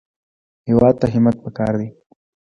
هېواد ته همت پکار دی